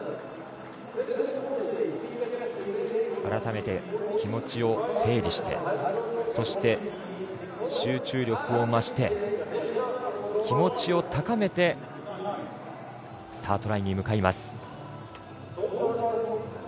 改めて、気持ちを整理してそして集中力を増して気持ちを高めてスタートラインに向かいます。